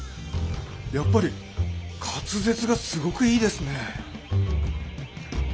やっぱり滑舌がすごくいいですね。